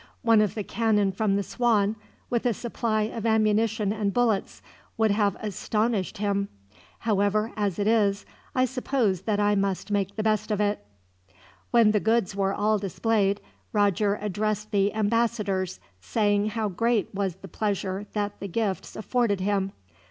One of the cannon from the Swan, with a supply of ammunition and bullets, would have astonished him. However, as it is, I suppose that I must make the best of it." When the goods were all displayed, Roger addressed the ambassadors, saying how great was the pleasure that the gifts afforded him.